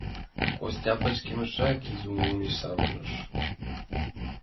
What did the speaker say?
Костя пычкемышрак изуремыш савырныш.